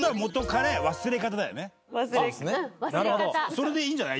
それでいいんじゃない？